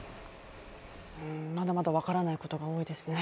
まだまだ分からないことが多いですね。